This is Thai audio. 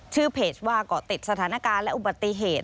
ชื่อเพจว่าเกาะติดสถานการณ์และอุบัติเหตุ